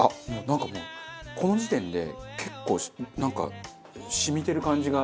なんかもうこの時点で結構なんか染みてる感じが。